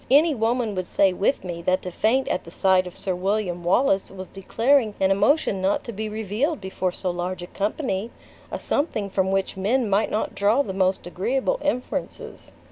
Any woman would say with me, that to faint at the sight of Sir William Wallace was declaring an emotion not to be revealed before so large a company! a something from which men might not draw the most agreeable inferences."